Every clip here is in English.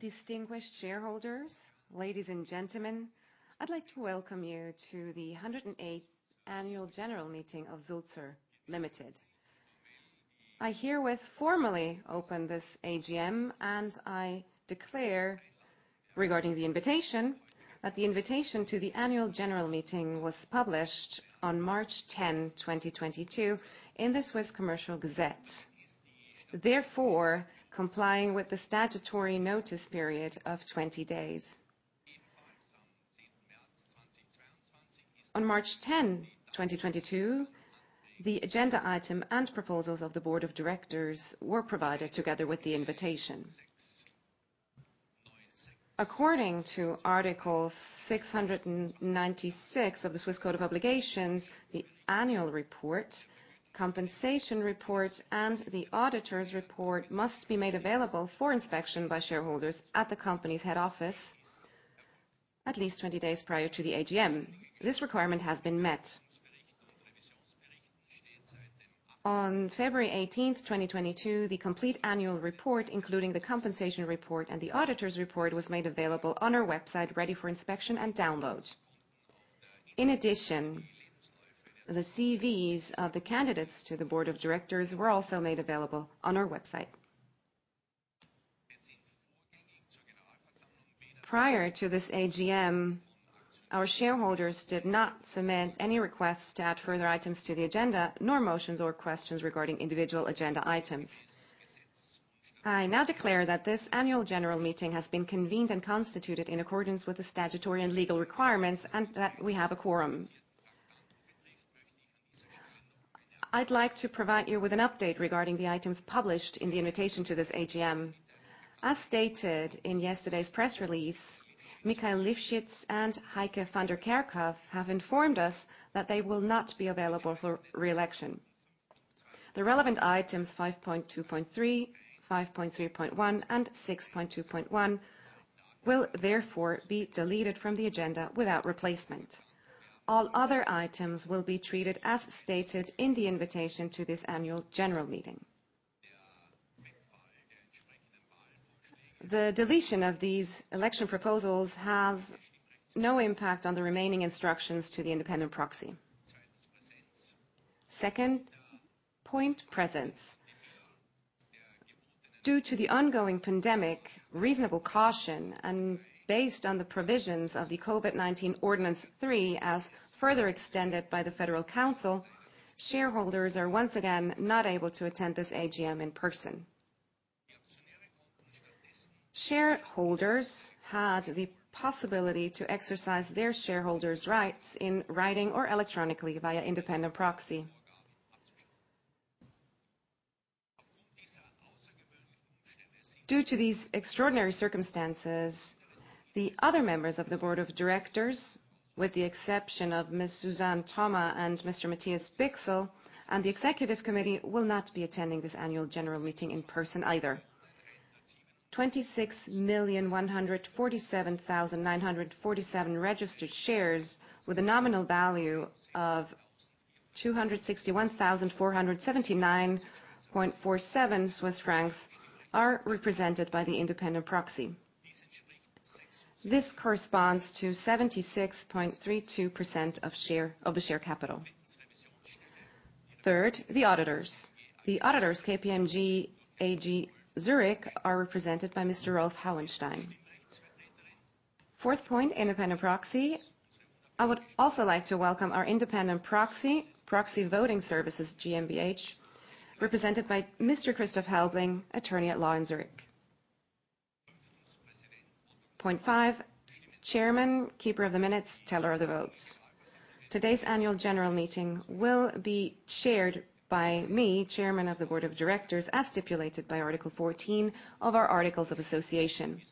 Distinguished shareholders, ladies and gentlemen, I'd like to welcome you to the 108th annual general meeting of Sulzer Limited. I herewith formally open this AGM, and I declare regarding the invitation, that the invitation to the annual general meeting was published on March 10, 2022 in the Swiss Official Gazette of Commerce, therefore complying with the statutory notice period of 20 days. On March 10, 2022, the agenda item and proposals of the board of directors were provided together with the invitation. According to Article 696 of the Swiss Code of Obligations, the annual report, compensation report, and the auditor's report must be made available for inspection by shareholders at the company's head office at least 20 days prior to the AGM. This requirement has been met. On February 18, 2022, the complete annual report, including the compensation report and the auditor's report, was made available on our website ready for inspection and download. In addition, the CVs of the candidates to the Board of Directors were also made available on our website. Prior to this AGM, our shareholders did not submit any requests to add further items to the agenda, nor motions or questions regarding individual agenda items. I now declare that this Annual General Meeting has been convened and constituted in accordance with the statutory and legal requirements and that we have a quorum. I'd like to provide you with an update regarding the items published in the invitation to this AGM. As stated in yesterday's press release, Mikhail Lifshitz and Heike van de Kerkhof have informed us that they will not be available for re-election. The relevant items 5.2.3, 5.3.1, and 6.2.1 will therefore be deleted from the agenda without replacement. All other items will be treated as stated in the invitation to this annual general meeting. The deletion of these election proposals has no impact on the remaining instructions to the independent proxy. Second point, presence. Due to the ongoing pandemic, reasonable caution, and based on the provisions of the COVID-19 Ordinance 3, as further extended by the Federal Council, shareholders are once again not able to attend this AGM in person. Shareholders had the possibility to exercise their shareholders' rights in writing or electronically via independent proxy. Due to these extraordinary circumstances, the other members of the board of directors, with the exception of Ms. Suzanne Thoma and Mr. Matthias Bichsel and the executive committee will not be attending this annual general meeting in person either. 26,147,947 registered shares with a nominal value of 261,479.47 Swiss francs are represented by the independent proxy. This corresponds to 76.32% of the share capital. Third, the auditors. The auditors, KPMG AG Zurich, are represented by Mr. Rolf Hauenstein. Fourth point, independent proxy. I would also like to welcome our independent proxy, Proxy Voting Services GmbH, represented by Mr. Christoph Helbling, attorney at law in Zurich. Point five, chairman, keeper of the minutes, teller of the votes. Today's annual general meeting will be chaired by me, Chairman of the Board of Directors, as stipulated by Article 14 of our articles of association.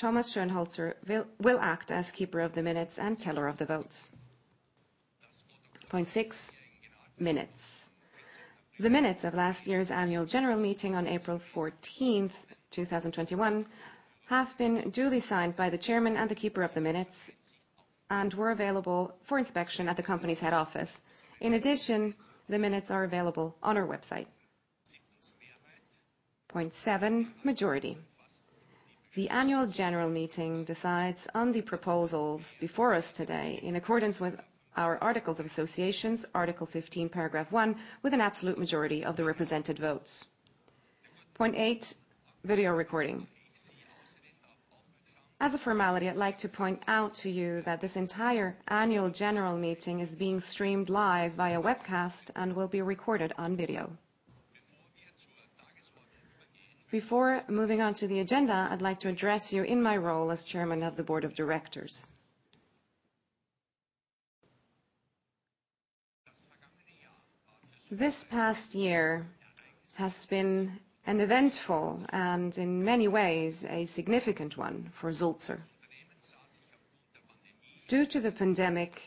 Thomas Schönholzer will act as keeper of the minutes and teller of the votes. Point six, minutes. The minutes of last year's annual general meeting on April 14, 2021 have been duly signed by the chairman and the keeper of the minutes, and were available for inspection at the company's head office. In addition, the minutes are available on our website. Point seven, majority. The annual general meeting decides on the proposals before us today in accordance with our articles of associations, Article 15, paragraph 1, with an absolute majority of the represented votes. Point eight, video recording. As a formality, I'd like to point out to you that this entire annual general meeting is being streamed live via webcast and will be recorded on video. Before moving on to the agenda, I'd like to address you in my role as chairman of the board of directors. This past year has been an eventful and in many ways a significant one for Sulzer. Due to the pandemic,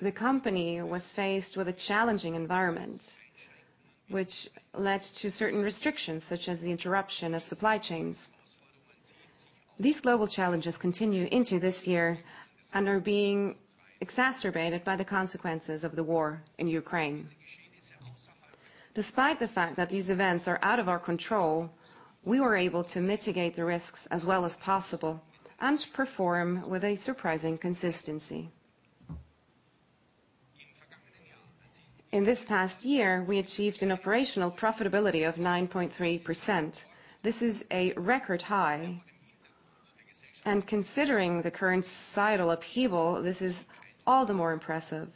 the company was faced with a challenging environment which led to certain restrictions such as the interruption of supply chains. These global challenges continue into this year and are being exacerbated by the consequences of the war in Ukraine. Despite the fact that these events are out of our control, we were able to mitigate the risks as well as possible and perform with a surprising consistency. In this past year, we achieved an operational profitability of 9.3%. This is a record high, and considering the current societal upheaval, this is all the more impressive.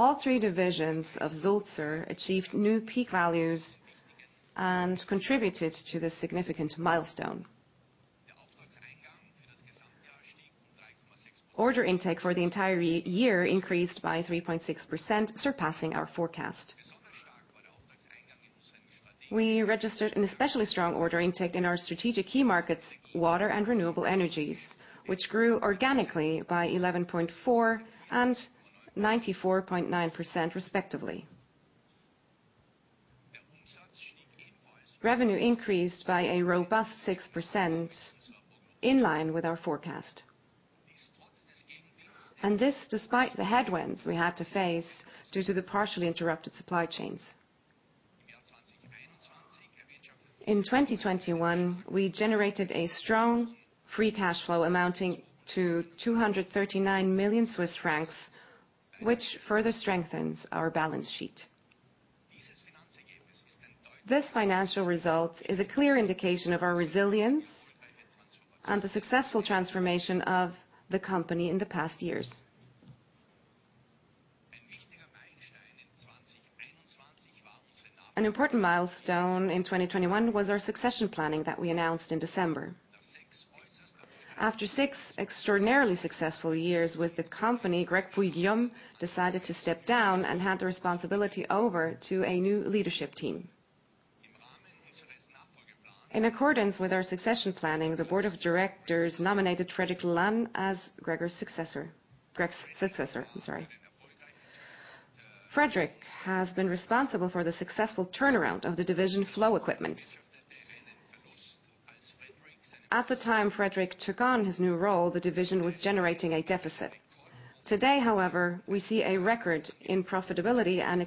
All three divisions of Sulzer achieved new peak values and contributed to this significant milestone. Order intake for the entire year increased by 3.6%, surpassing our forecast. We registered an especially strong order intake in our strategic key markets, water and renewable energies, which grew organically by 11.4% and 94.9% respectively. Revenue increased by a robust 6%, in line with our forecast. This despite the headwinds we had to face due to the partially interrupted supply chains. In 2021, we generated a strong free cash flow amounting to 239 million Swiss francs, which further strengthens our balance sheet. This financial result is a clear indication of our resilience and the successful transformation of the company in the past years. An important milestone in 2021 was our succession planning that we announced in December. After six extraordinarily successful years with the company, Grégoire Poux-Guillaume decided to step down and hand the responsibility over to a new leadership team. In accordance with our succession planning, the Board of Directors nominated Frédéric Lalanne as Greg's successor. I'm sorry. Frédéric Lalanne has been responsible for the successful turnaround of the division Flow Equipment. At the time Frédéric Lalanne took on his new role, the division was generating a deficit. Today, however, we see a record in profitability and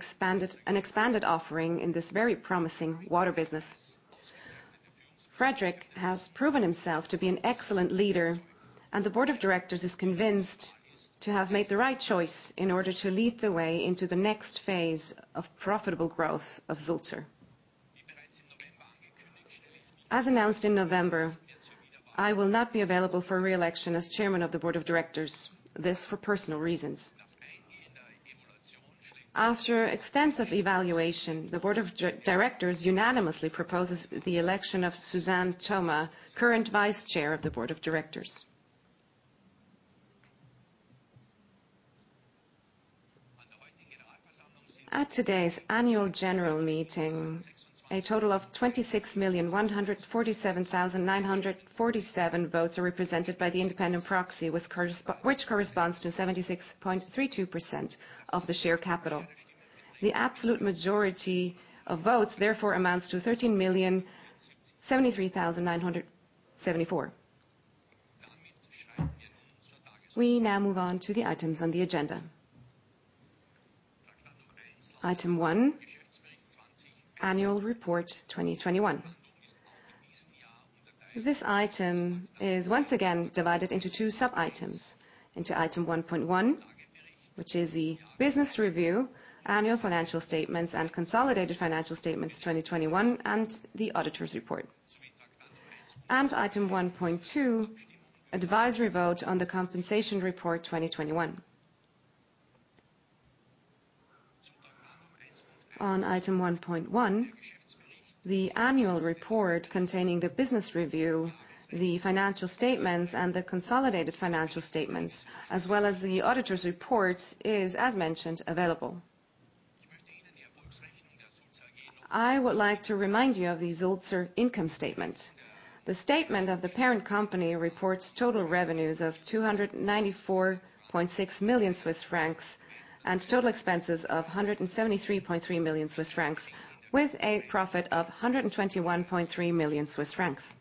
an expanded offering in this very promising water business. Frédéric Lalanne has proven himself to be an excellent leader, and the Board of Directors is convinced to have made the right choice in order to lead the way into the next phase of profitable growth of Sulzer. As announced in November, I will not be available for reelection as Chairman of the Board of Directors. This for personal reasons. After extensive evaluation, the Board of Directors unanimously proposes the election of Suzanne Thoma, current Vice Chair of the Board of Directors. At today's annual general meeting, a total of 26,147,947 votes are represented by the independent proxy, which corresponds to 76.32% of the share capital. The absolute majority of votes therefore amounts to 13,073,974. We now move on to the items on the agenda. Item one, annual report 2021. This item is once again divided into two sub-items. Into item 1.1, which is the business review, annual financial statements, and consolidated financial statements, 2021, and the auditor's report. Item 1.2, advisory vote on the compensation report, 2021. On item 1.1, the annual report containing the business review, the financial statements, and the consolidated financial statements, as well as the auditor's reports, is, as mentioned, available. I would like to remind you of the Sulzer income statement. The statement of the parent company reports total revenues of 294.6 million Swiss francs and total expenses of 173.3 million Swiss francs, with a profit of 121.3 million Swiss francs.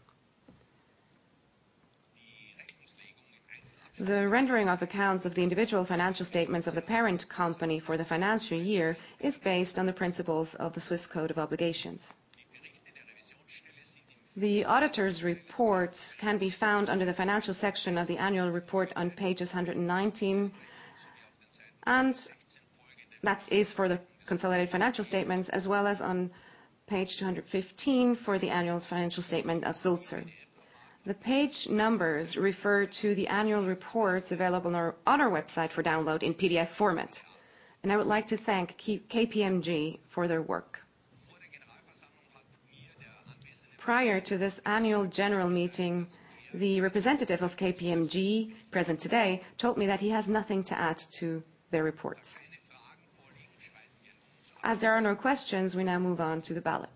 The rendering of accounts of the individual financial statements of the parent company for the financial year is based on the principles of the Swiss Code of Obligations. The auditor's reports can be found under the financial section of the annual report on pages 119, and that is for the consolidated financial statements, as well as on page 215 for the annual financial statement of Sulzer. The page numbers refer to the annual reports available on our website for download in PDF format. I would like to thank KPMG for their work. Prior to this annual general meeting, the representative of KPMG present today told me that he has nothing to add to their reports. As there are no questions, we now move on to the ballot.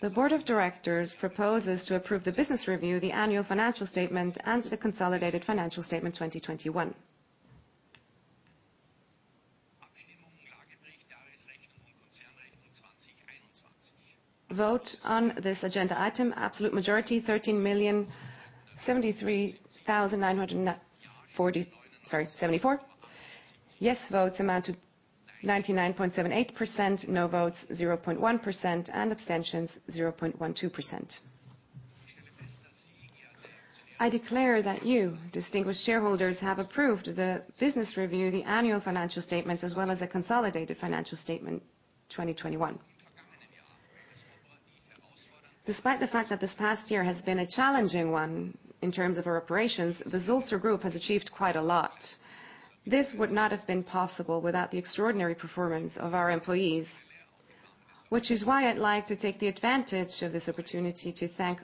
The Board of Directors proposes to approve the business review, the annual financial statement, and the consolidated financial statement, 2021. Vote on this agenda item absolute majority 13,073,974. Yes votes amount to 99.78%. No votes 0.1%, and abstentions 0.12%. I declare that you, distinguished shareholders, have approved the business review, the annual financial statements, as well as the consolidated financial statement 2021. Despite the fact that this past year has been a challenging one in terms of our operations, the Sulzer Group has achieved quite a lot. This would not have been possible without the extraordinary performance of our employees, which is why I'd like to take advantage of this opportunity to thank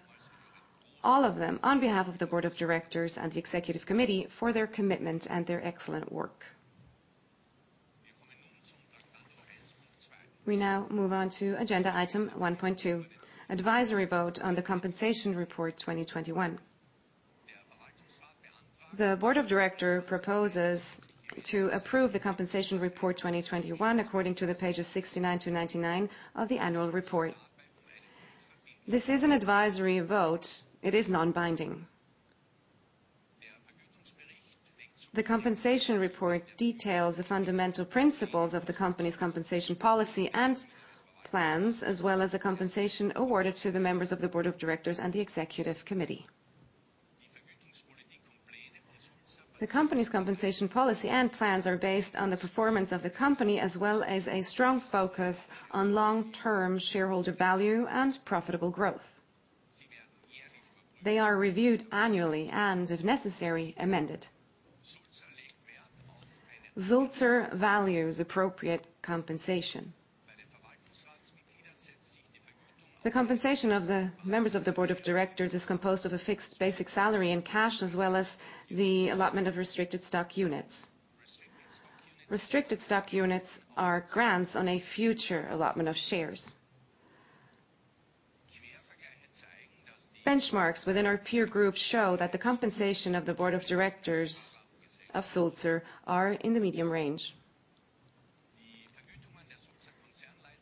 all of them on behalf of the Board of Directors and the Executive Committee for their commitment and their excellent work. We now move on to agenda item 1.2: Advisory Vote on the Compensation Report 2021. The Board of Directors proposes to approve the Compensation Report 2021 according to pages 69-99 of the Annual Report. This is an advisory vote. It is non-binding. The Compensation Report details the fundamental principles of the company's compensation policy and plans, as well as the compensation awarded to the members of the Board of Directors and the Executive Committee. The company's compensation policy and plans are based on the performance of the company, as well as a strong focus on long-term shareholder value and profitable growth. They are reviewed annually and, if necessary, amended. Sulzer values appropriate compensation. The compensation of the members of the Board of Directors is composed of a fixed basic salary and cash, as well as the allotment of Restricted Stock Units. Restricted Stock Units are grants on a future allotment of shares. Benchmarks within our peer group show that the compensation of the Board of Directors of Sulzer are in the medium range.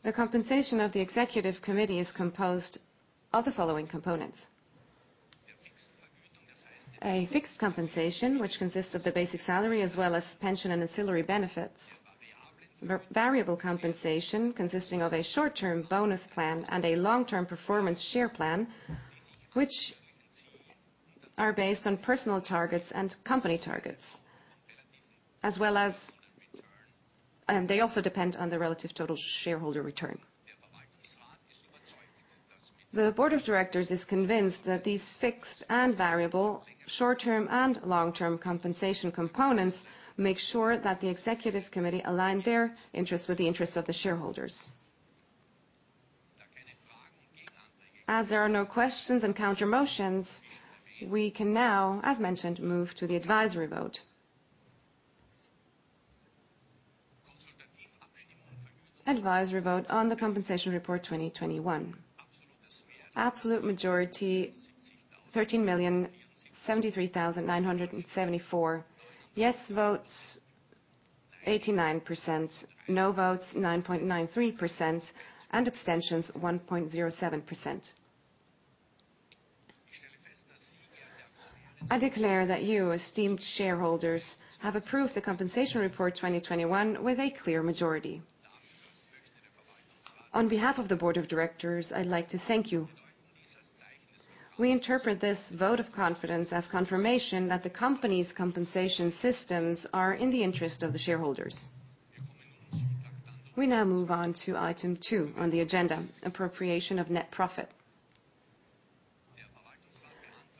The compensation of the Executive Committee is composed of the following components: fixed compensation, which consists of the basic salary as well as pension and ancillary benefits. Variable compensation consisting of a short-term bonus plan and a long-term Performance Share Plan, which are based on personal targets and company targets, as well as. They also depend on the relative Total Shareholder Return. The Board of Directors is convinced that these fixed and variable short-term and long-term compensation components make sure that the Executive Committee align their interests with the interests of the shareholders. As there are no questions and counter motions, we can now, as mentioned, move to the advisory vote. Advisory vote on the Compensation Report 2021. Absolute majority 13,073,974. Yes votes 89%. No votes 9.93%, and abstentions 1.07%. I declare that you, esteemed shareholders, have approved the Compensation Report 2021 with a clear majority. On behalf of the Board of Directors, I'd like to thank you. We interpret this vote of confidence as confirmation that the company's compensation systems are in the interest of the shareholders. We now move on to Item two on the agenda: Appropriation of Net Profit.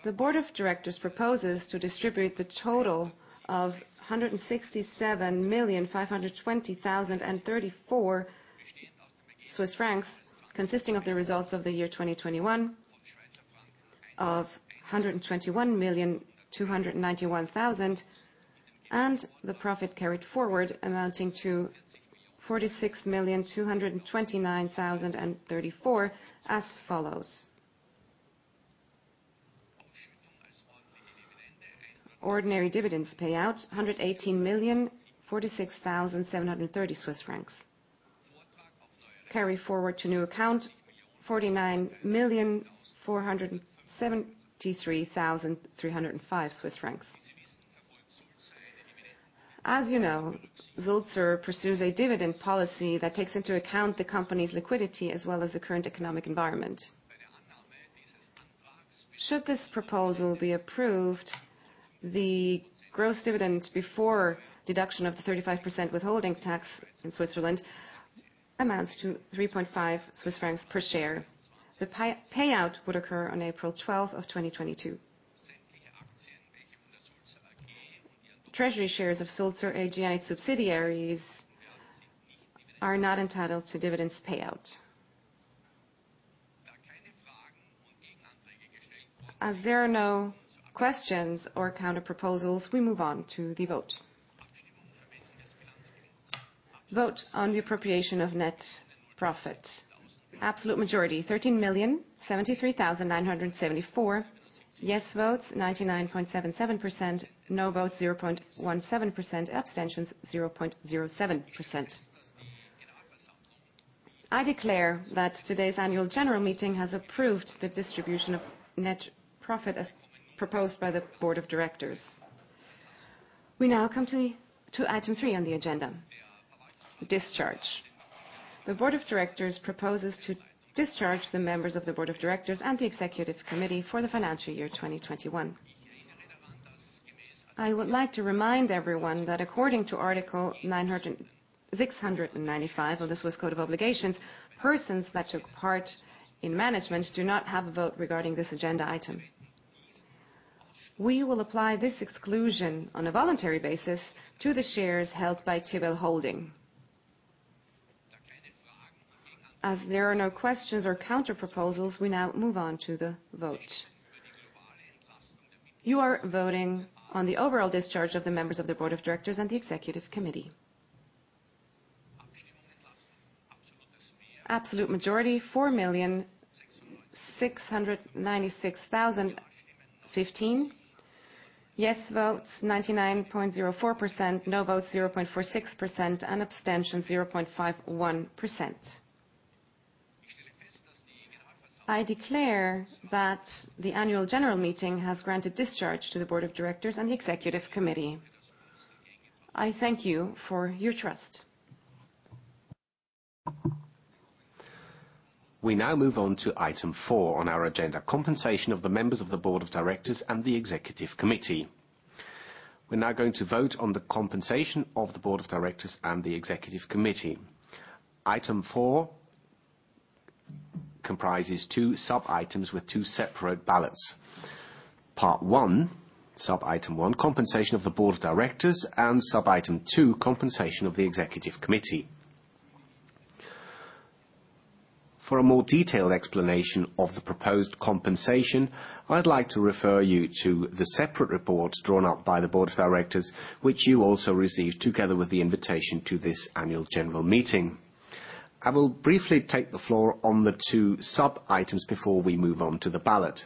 The Board of Directors proposes to distribute the total of 167,520,034 Swiss francs, consisting of the results of the year 2021 of 121,291,000, and the profit carried forward amounting to 46,229,034 as follows: Ordinary dividends payout 118,046,730 Swiss francs. Carry forward to new account 49,473,305 Swiss francs. As you know, Sulzer pursues a dividend policy that takes into account the company's liquidity, as well as the current economic environment. Should this proposal be approved, the gross dividend before deduction of the 35% withholding tax in Switzerland amounts to 3.5 Swiss francs per share. The payout would occur on April 12, 2022. Treasury shares of Sulzer AG and its subsidiaries are not entitled to dividend payout. As there are no questions or counter proposals, we move on to the vote. Vote on the appropriation of net profit. Absolute majority, 13,073,974. Yes votes, 99.77%. No votes, 0.17%. Abstentions, 0.07%. I declare that today's Annual General Meeting has approved the distribution of net profit as proposed by the Board of Directors. We now come to item 3 on the agenda, discharge. The Board of Directors proposes to discharge the members of the Board of Directors and the Executive Committee for the financial year 2021. I would like to remind everyone that according to Article 695 of the Swiss Code of Obligations, persons that took part in management do not have a vote regarding this agenda item. We will apply this exclusion on a voluntary basis to the shares held by Tiwel Holding. As there are no questions or counter proposals, we now move on to the vote. You are voting on the overall discharge of the members of the Board of Directors and the Executive Committee. Absolute majority 4,696,015. Yes votes 99.04%, no votes 0.46%, and abstention 0.51%. I declare that the Annual General Meeting has granted discharge to the Board of Directors and the Executive Committee. I thank you for your trust. We now move on to item four on our agenda, compensation of the members of the Board of Directors and the Executive Committee. We're now going to vote on the compensation of the Board of Directors and the Executive Committee. Item four comprises two sub-items with two separate ballots. Part one, sub-item one, compensation of the Board of Directors, and sub-item two, compensation of the Executive Committee. For a more detailed explanation of the proposed compensation, I'd like to refer you to the separate reports drawn up by the Board of Directors, which you also received together with the invitation to this Annual General Meeting. I will briefly take the floor on the two sub-items before we move on to the ballot.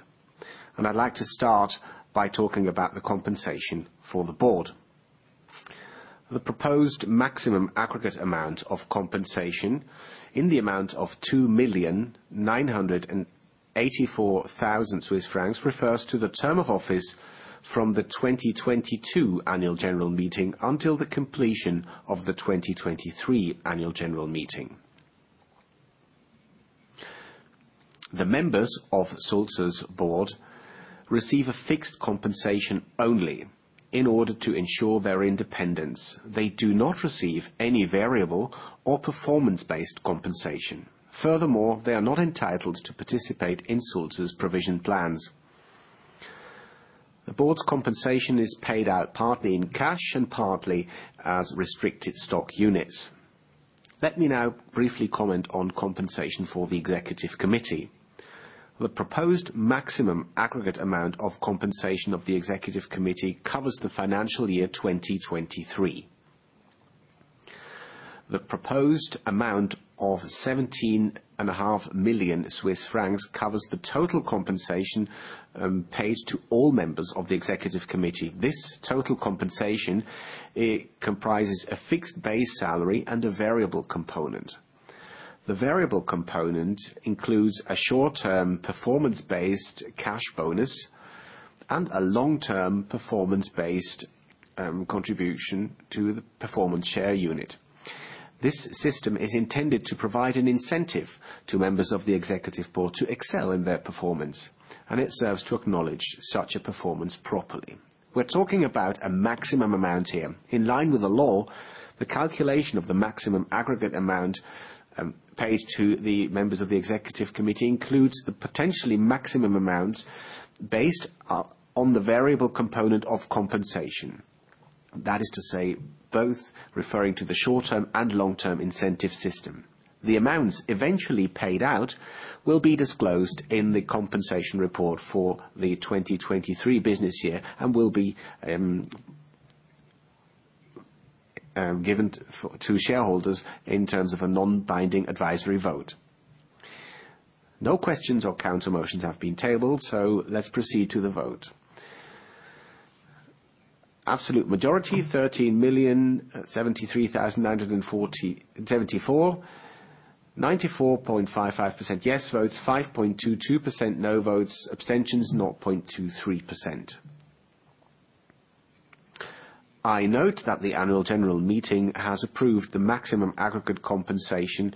I'd like to start by talking about the compensation for the Board. The proposed maximum aggregate amount of compensation in the amount of 2.984 million Swiss francs refers to the term of office from the 2022 Annual General Meeting until the completion of the 2023 Annual General Meeting. The members of Sulzer's Board receive a fixed compensation only in order to ensure their independence. They do not receive any variable or performance-based compensation. Furthermore, they are not entitled to participate in Sulzer's provision plans. The Board's compensation is paid out partly in cash and partly as Restricted Stock Units. Let me now briefly comment on compensation for the Executive Committee. The proposed maximum aggregate amount of compensation of the Executive Committee covers the financial year 2023. The proposed amount of 17.5 million Swiss francs covers the total compensation paid to all members of the Executive Committee. This total compensation, it comprises a fixed base salary and a variable component. The variable component includes a short-term performance-based cash bonus and a long-term performance-based contribution to the Performance Share Unit. This system is intended to provide an incentive to members of the Executive Board to excel in their performance, and it serves to acknowledge such a performance properly. We're talking about a maximum amount here. In line with the law, the calculation of the maximum aggregate amount paid to the members of the Executive Committee includes the potentially maximum amount based upon the variable component of compensation. That is to say, both referring to the short-term and long-term incentive system. The amounts eventually paid out will be disclosed in the compensation report for the 2023 business year and will be given to shareholders in terms of a non-binding advisory vote. No questions or countermotions have been tabled, so let's proceed to the vote. Absolute majority, 13,073,974. 94.55% yes votes, 5.22% no votes, abstentions 0.23%. I note that the annual general meeting has approved the maximum aggregate compensation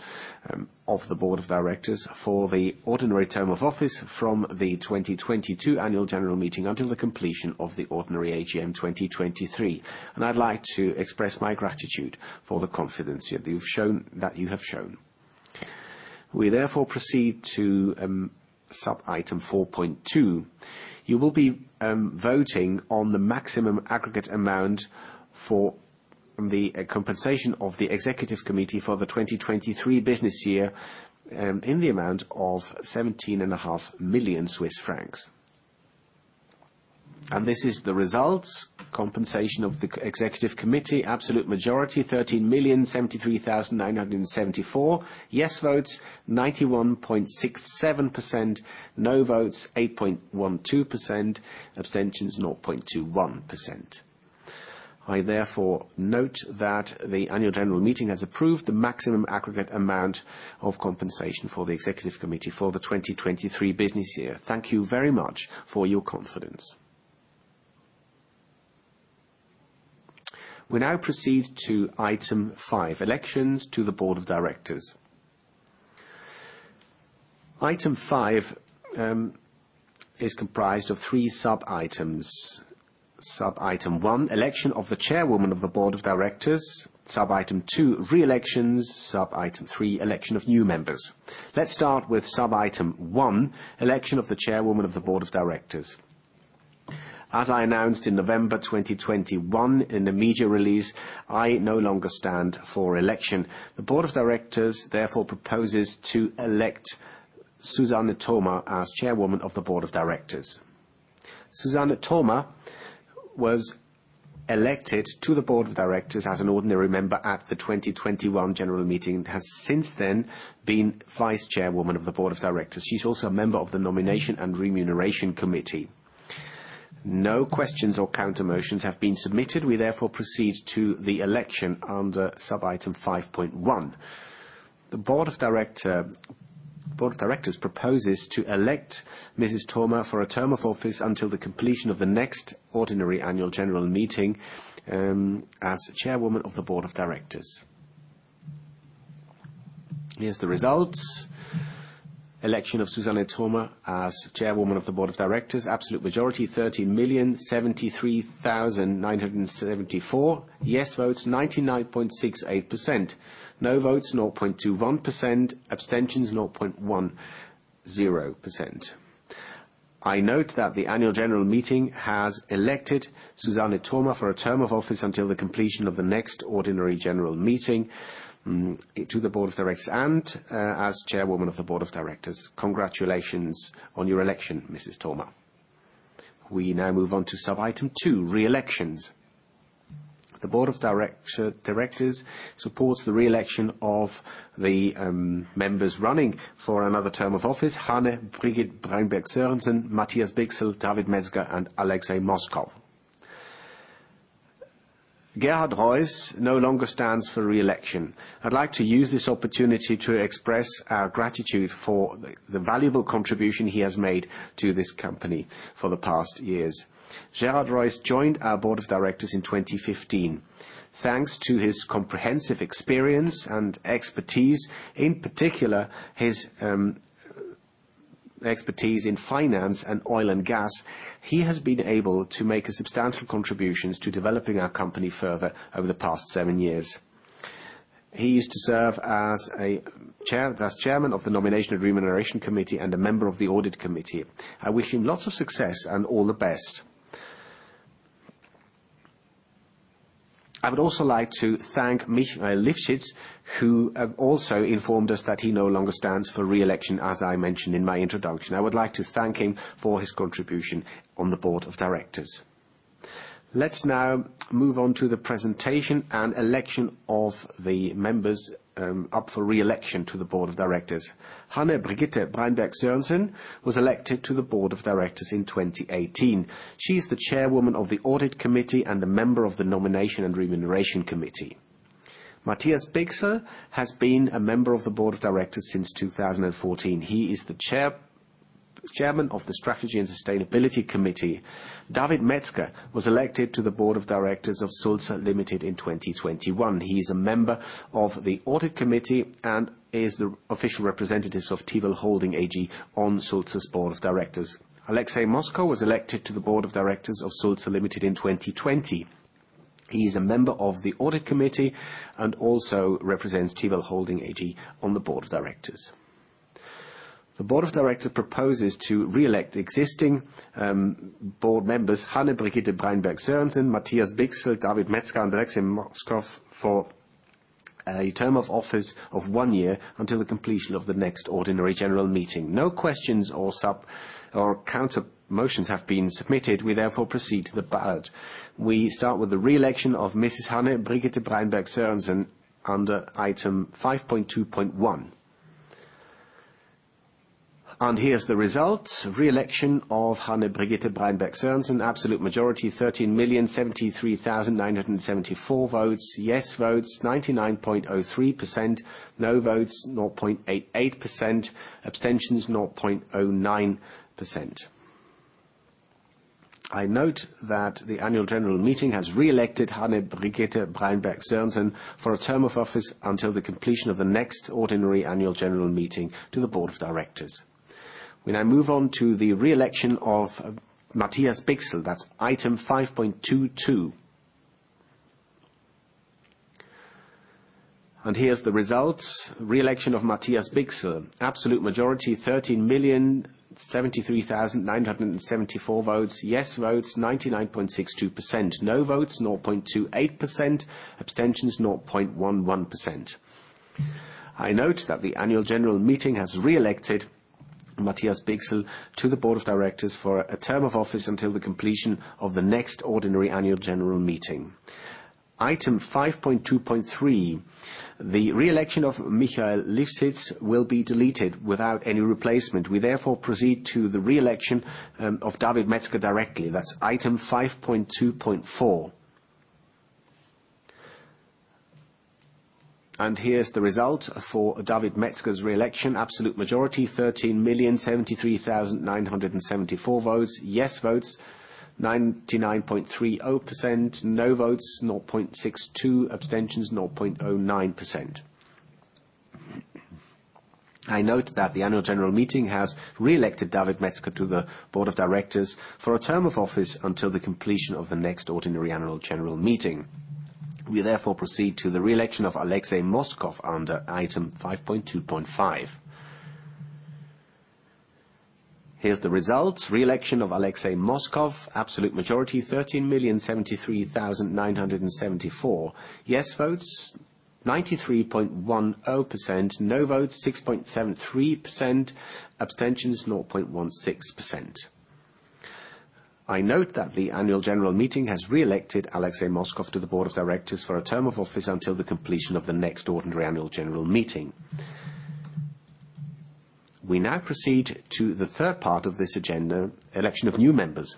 of the Board of Directors for the ordinary term of office from the 2022 annual general meeting until the completion of the ordinary AGM 2023. I'd like to express my gratitude for the confidence you have shown. We therefore proceed to sub-item 4.2. You will be voting on the maximum aggregate amount for the compensation of the Executive Committee for the 2023 business year in the amount of 17.5 million Swiss francs. This is the result. Compensation of the executive committee, absolute majority, 13,073,974. Yes votes 91.67%, no votes 8.12%, abstentions 0.21%. I therefore note that the annual general meeting has approved the maximum aggregate amount of compensation for the executive committee for the 2023 business year. Thank you very much for your confidence. We now proceed to item five, elections to the Board of Directors. Item five is comprised of three sub-items. Sub-item one, election of the Chairwoman of the Board of Directors. Sub-item two, re-elections. Sub-item three, election of new members. Let's start with sub-item one, election of the Chairwoman of the Board of Directors. As I announced in November 2021 in the media release, I no longer stand for election. The Board of Directors therefore proposes to elect Suzanne Thoma as Chairwoman of the Board of Directors. Suzanne Thoma was elected to the Board of Directors as an ordinary member at the 2021 general meeting, and has since then been Vice Chairwoman of the Board of Directors. She's also a member of the Nomination and Remuneration Committee. No questions or counter motions have been submitted. We therefore proceed to the election under sub-item 5.1. The Board of Directors proposes to elect Mrs. Thoma for a term of office until the completion of the next ordinary annual general meeting, as Chairwoman of the Board of Directors. Here are the results. Election of Suzanne Thoma as Chairwoman of the Board of Directors. Absolute majority, 30,073,974. Yes votes, 99.68%. No votes, 0.21%. Abstentions, 0.10%. I note that the annual general meeting has elected Suzanne Thoma for a term of office until the completion of the next ordinary general meeting to the Board of Directors and as Chairwoman of the Board of Directors. Congratulations on your election, Mrs. Thoma. We now move on to sub-item two, re-elections. The Board of Directors supports the re-election of the members running for another term of office. Hanne Birgitte Breinbjerg Sørensen, Matthias Bichsel, David Metzger, and Alexey Moskov. Gerhard Roiss no longer stands for re-election. I'd like to use this opportunity to express our gratitude for the valuable contribution he has made to this company for the past years. Gerhard Roiss joined our Board of Directors in 2015. Thanks to his comprehensive experience and expertise, in particular his expertise in finance and oil and gas, he has been able to make substantial contributions to developing our company further over the past seven years. He used to serve as chairman of the Nomination and Remuneration Committee and a member of the Audit Committee. I wish him lots of success and all the best. I would also like to thank Mikhail Lifshitz, who also informed us that he no longer stands for re-election, as I mentioned in my introduction. I would like to thank him for his contribution on the Board of Directors. Let's now move on to the presentation and election of the members up for re-election to the Board of Directors. Hanne Birgitte Breinbjerg Sørensen was elected to the Board of Directors in 2018. She's the Chairwoman of the Audit Committee and a member of the Nomination and Remuneration Committee. Matthias Bichsel has been a member of the Board of Directors since 2014. He is the Chairman of the Strategy and Sustainability Committee. David Metzger was elected to the Board of Directors of Sulzer Limited in 2021. He is a member of the Audit Committee and is the official representative of Tiwel Holding AG on Sulzer's Board of Directors. Alexey Moskov was elected to the Board of Directors of Sulzer Limited in 2020. He is a member of the Audit Committee and also represents Tiwel Holding AG on the Board of Directors. The board of directors proposes to re-elect existing board members Hanne Birgitte Breinbjerg Sørensen, Matthias Bichsel, David Metzger, and Alexey Moskov for a term of office of one year until the completion of the next ordinary general meeting. No questions or countermotions have been submitted. We therefore proceed to the ballot. We start with the re-election of Mrs. Hanne Birgitte Breinbjerg Sørensen under item 5.2.1. Here's the result. Re-election of Hanne Birgitte Breinbjerg Sørensen. Absolute majority, 13,073,974 votes. Yes votes, 99.03%. No votes, 0.88%. Abstentions, 0.09%. I note that the annual general meeting has re-elected Hanne Birgitte Breinbjerg Sørensen for a term of office until the completion of the next ordinary annual general meeting to the board of directors. We now move on to the re-election of Matthias Bichsel. That's item 5.2.2. Here's the result. Re-election of Matthias Bichsel. Absolute majority, 13,073,974 votes. Yes votes, 99.62%. No votes, 0.28%. Abstentions, 0.11%. I note that the annual general meeting has re-elected Matthias Bichsel to the Board of Directors for a term of office until the completion of the next ordinary annual general meeting. Item 5.2.3, the re-election of Mikhail Lifshitz will be deleted without any replacement. We therefore proceed to the re-election of David Metzger directly. That's item 5.2.4. Here's the result for David Metzger's re-election. Absolute majority, 13,073,974 votes. Yes votes, 99.30%. No votes, 0.62%. Abstentions, 0.09%. I note that the annual general meeting has re-elected David Metzger to the board of directors for a term of office until the completion of the next ordinary annual general meeting. We therefore proceed to the re-election of Alexey Moskov under item 5.2.5. Here's the result. Re-election of Alexey Moskov. Absolute majority, 13,073,974. Yes votes, 93.10%. No votes, 6.73%. Abstentions, 0.16%. I note that the annual general meeting has re-elected Alexey Moskov to the board of directors for a term of office until the completion of the next ordinary annual general meeting. We now proceed to the third part of this agenda, election of new members.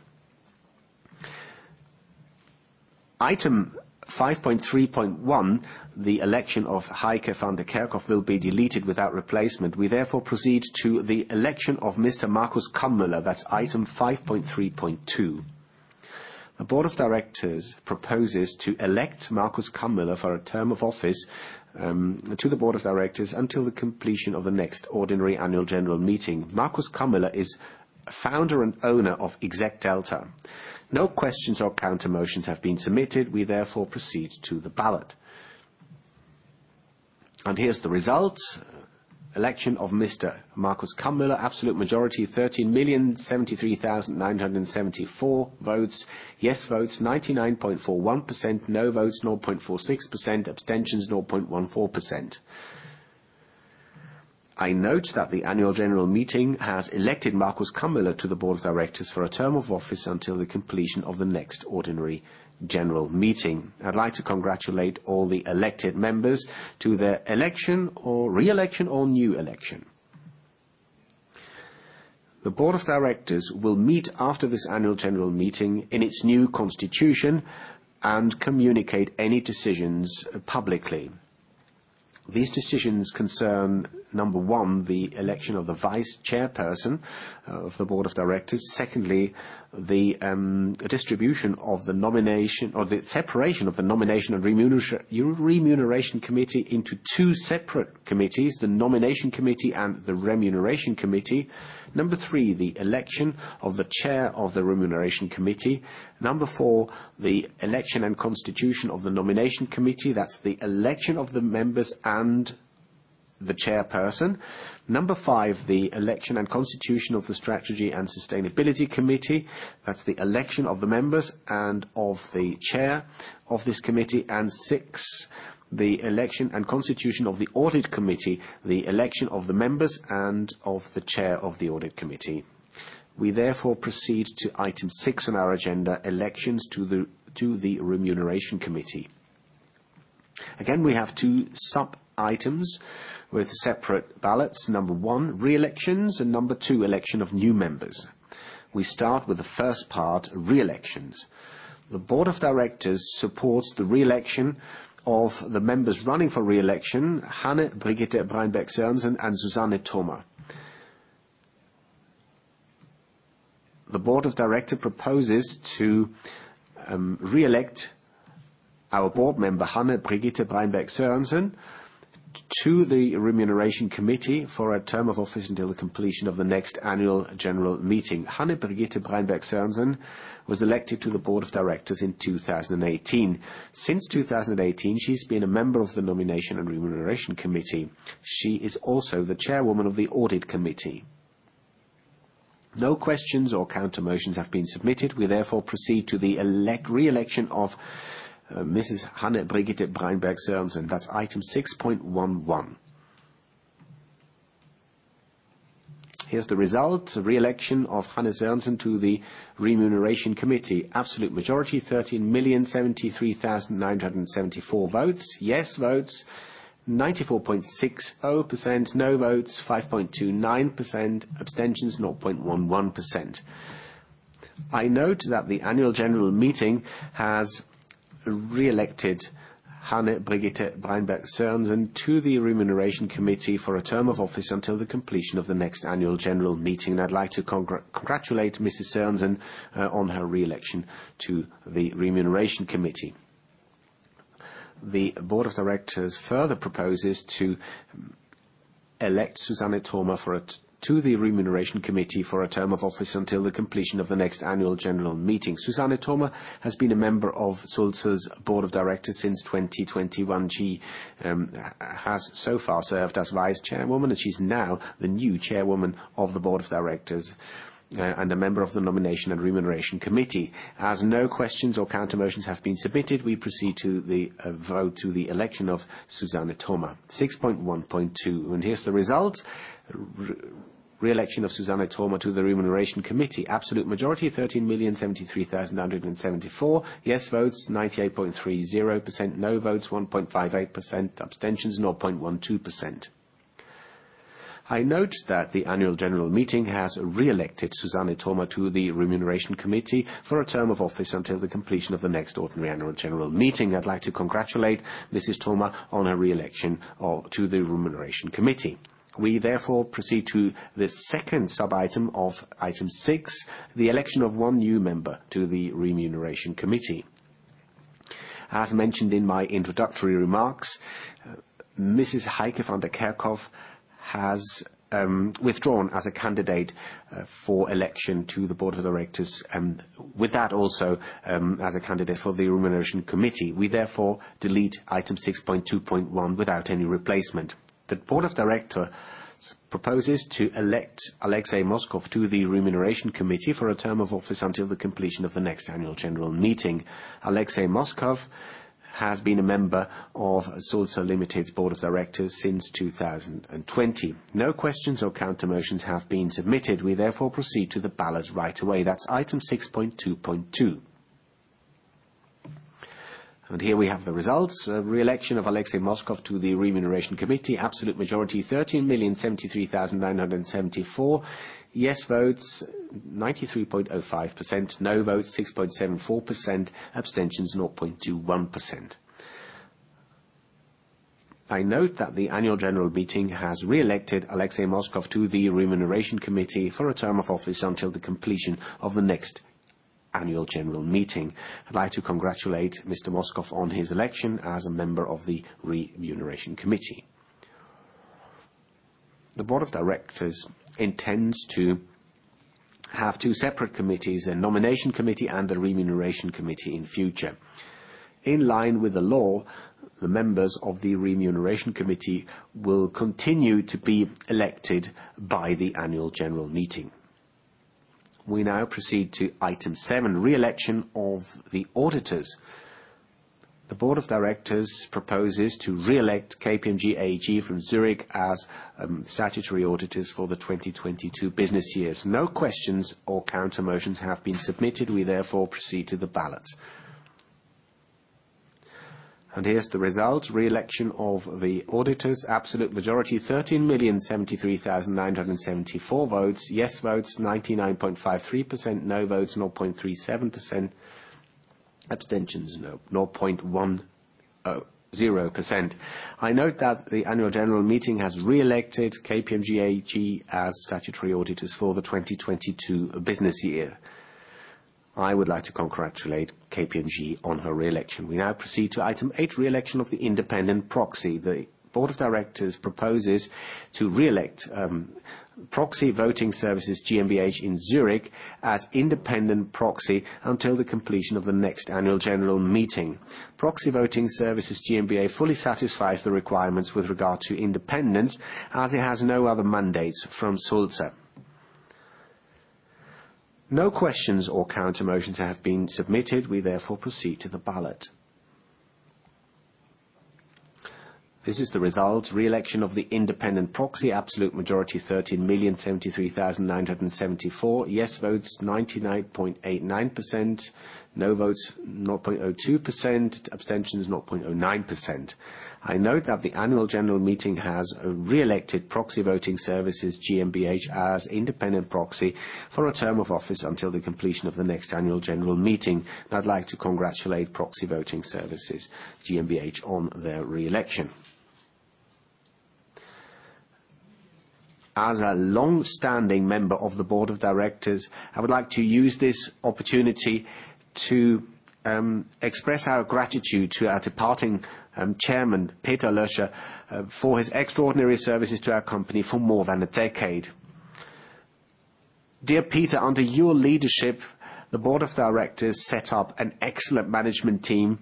Item 5.3.1, the election of Heike van de Kerkhof, will be deleted without replacement. We therefore proceed to the election of Mr. Markus Kammüller, that's item 5.3.2. The board of directors proposes to elect Markus Kammüller for a term of office to the board of directors until the completion of the next ordinary annual general meeting. Markus Kammüller is founder and owner of ExecDelta. No questions or countermotions have been submitted. We therefore proceed to the ballot. Here's the result. Election of Mr. Markus Kammüller. Absolute majority, 13,073,974 votes. Yes votes, 99.41%. No votes, 0.46%. Abstentions, 0.14%. I note that the Annual General Meeting has elected Markus Kammüller to the Board of Directors for a term of office until the completion of the next ordinary general meeting. I'd like to congratulate all the elected members to their election or re-election or new election. The Board of Directors will meet after this Annual General Meeting in its new constitution and communicate any decisions publicly. These decisions concern, number one, the election of the Vice Chairperson of the Board of Directors. Secondly, the distribution of the nomination or the separation of the Nomination and Remuneration Committee into two separate committees, the Nomination Committee and the Remuneration Committee. Number three, the election of the Chair of the Remuneration Committee. Number four, the election and constitution of the Nomination Committee. That's the election of the members and the chairperson. 5, the election and constitution of the Strategy and Sustainability Committee. That's the election of the members and of the chair of this committee. Six, the election and constitution of the Audit Committee, the election of the members and of the chair of the Audit Committee. We therefore proceed to item 6 on our agenda, elections to the Remuneration Committee. Again, we have two sub-items with separate ballots. One, re-elections, and two, election of new members. We start with the first part, re-elections. The Board of Directors supports the re-election of the members running for re-election, Hanne Birgitte Breinbjerg Sørensen and Suzanne Thoma. The Board of Directors proposes to re-elect our board member, Hanne Birgitte Breinbjerg Sørensen, to the Remuneration Committee for a term of office until the completion of the next annual general meeting. Hanne Birgitte Breinbjerg Sørensen was elected to the Board of Directors in 2018. Since 2018, she's been a member of the Nomination and Remuneration Committee. She is also the Chairwoman of the Audit Committee. No questions or countermotions have been submitted. We therefore proceed to the re-election of Mrs. Hanne Birgitte Breinbjerg Sørensen. That's item 6.11. Here's the result. Re-election of Hanne Sørensen to the Remuneration Committee. Absolute majority, 13,073,974 votes. Yes votes, 94.60%. No votes, 5.29%. Abstentions, 0.11%. I note that the Annual General Meeting has re-elected Hanne Birgitte Breinbjerg Sørensen to the Remuneration Committee for a term of office until the completion of the next Annual General Meeting. I'd like to congratulate Mrs. Sørensen on her re-election to the remuneration committee. The board of directors further proposes to elect Suzanne Thoma to the remuneration committee for a term of office until the completion of the next annual general meeting. Suzanne Thoma has been a member of Sulzer's board of directors since 2021. She has so far served as vice chairwoman, and she's now the new chairwoman of the board of directors and a member of the nomination and remuneration committee. As no questions or countermotions have been submitted, we proceed to the vote to the election of Susanne Thoma, 6.1.2. Here's the result. Reelection of Suzanne Thoma to the Remuneration Committee, absolute majority, 13,073,174. Yes votes 98.30%. No votes 1.58%. Abstentions 0.12%. I note that the annual general meeting has reelected Suzanne Thoma to the Remuneration Committee for a term of office until the completion of the next ordinary annual general meeting. I'd like to congratulate Mrs. Thoma on her reelection to the Remuneration Committee. We therefore proceed to the second sub-item of item six, the election of one new member to the Remuneration Committee. As mentioned in my introductory remarks, Mrs. Heike van de Kerkhof has withdrawn as a candidate for election to the Board of Directors, and with that also as a candidate for the Remuneration Committee. We therefore delete item six point two point one without any replacement. The Board of Directors proposes to elect Alexey Moskov to the Remuneration Committee for a term of office until the completion of the next annual general meeting. Alexey Moskov has been a member of Sulzer Limited's Board of Directors since 2020. No questions or countermotions have been submitted. We therefore proceed to the ballot right away. That's item 6.2.2. Here we have the results. Reelection of Alexey Moskov to the Remuneration Committee, absolute majority, 13,073,974. Yes votes 93.05%. No votes 6.74%. Abstentions 0.21%. I note that the annual general meeting has reelected Alexey Moskov to the Remuneration Committee for a term of office until the completion of the next annual general meeting. I'd like to congratulate Mr. Moskov on his election as a member of the Remuneration Committee. The Board of Directors intends to have two separate committees, a Nomination Committee and a Remuneration Committee in future. In line with the law, the members of the Remuneration Committee will continue to be elected by the annual general meeting. We now proceed to item seven, reelection of the auditors. The Board of Directors proposes to reelect KPMG AG from Zurich as statutory auditors for the 2022 business years. No questions or countermotions have been submitted. We therefore proceed to the ballot. Here's the result, reelection of the auditors, absolute majority, 13,073,974 votes. Yes votes 99.53%. No votes 0.37%. Abstentions 0.10%. I note that the annual general meeting has reelected KPMG AG as statutory auditors for the 2022 business year. I would like to congratulate KPMG on her reelection. We now proceed to item eight, reelection of the independent proxy. The Board of Directors proposes to reelect Proxy Voting Services GmbH in Zurich as independent proxy until the completion of the next annual general meeting. Proxy Voting Services GmbH fully satisfies the requirements with regard to independence, as it has no other mandates from Sulzer. No questions or countermotions have been submitted. We therefore proceed to the ballot. This is the result. Reelection of the independent proxy, absolute majority, 13,073,974. Yes votes 99.89%. No votes 0.02%. Abstentions 0.09%. I note that the annual general meeting has reelected Proxy Voting Services GmbH as independent proxy for a term of office until the completion of the next annual general meeting. I'd like to congratulate Proxy Voting Services GmbH on their reelection. As a long-standing member of the Board of Directors, I would like to use this opportunity to express our gratitude to our departing chairman, Peter Löscher, for his extraordinary services to our company for more than a decade. Dear Peter, under your leadership, the Board of Directors set up an excellent management team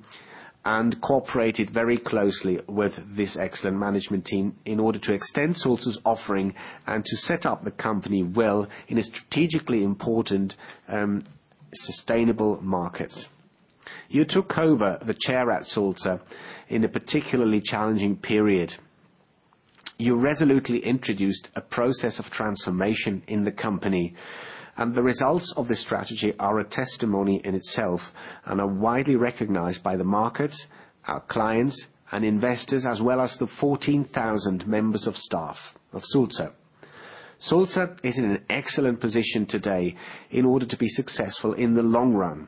and cooperated very closely with this excellent management team in order to extend Sulzer's offering and to set up the company well in a strategically important sustainable markets. You took over the chair at Sulzer in a particularly challenging period. You resolutely introduced a process of transformation in the company, and the results of this strategy are a testimony in itself and are widely recognized by the markets, our clients and investors, as well as the 14,000 members of staff of Sulzer. Sulzer is in an excellent position today in order to be successful in the long run.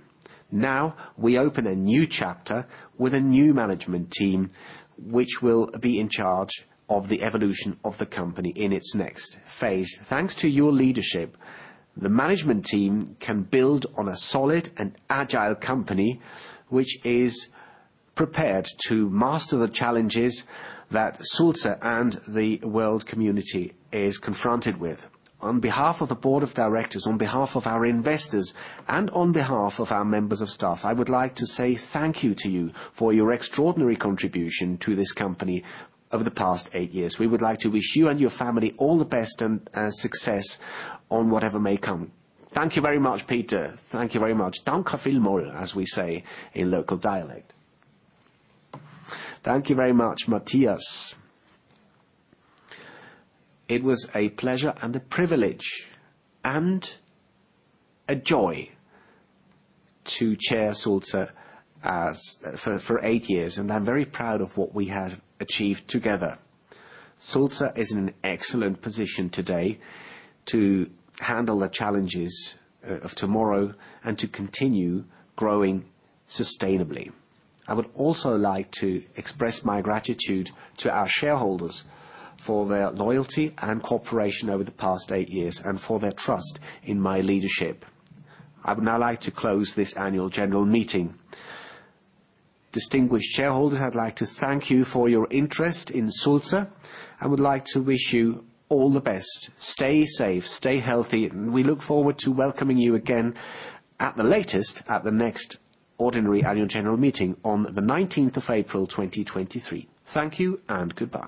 Now, we open a new chapter with a new management team, which will be in charge of the evolution of the company in its next phase. Thanks to your leadership, the management team can build on a solid and agile company, which is prepared to master the challenges that Sulzer and the world community is confronted with. On behalf of the Board of Directors, on behalf of our investors, and on behalf of our members of staff, I would like to say thank you to you for your extraordinary contribution to this company over the past eight years. We would like to wish you and your family all the best and success on whatever may come. Thank you very much, Peter. Thank you very much. [Foreign language: "Danke vielmal"] as we say in local dialect. Thank you very much, Matthias. It was a pleasure and a privilege and a joy to chair Sulzer for eight years, and I'm very proud of what we have achieved together. Sulzer is in an excellent position today to handle the challenges of tomorrow and to continue growing sustainably. I would also like to express my gratitude to our shareholders for their loyalty and cooperation over the past eight years and for their trust in my leadership. I would now like to close this annual general meeting. Distinguished shareholders, I'd like to thank you for your interest in Sulzer. I would like to wish you all the best. Stay safe, stay healthy, and we look forward to welcoming you again at the latest at the next ordinary annual general meeting on the 19th of April, twenty twenty-three. Thank you and goodbye.